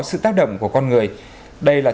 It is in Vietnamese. sự tác động của con người đây là